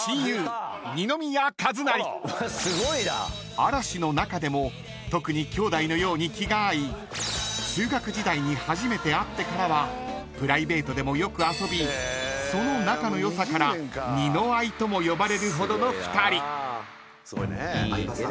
［嵐の中でも特に兄弟のように気が合い中学時代に初めて会ってからはプライベートでもよく遊びその仲の良さからにのあいとも呼ばれるほどの２人］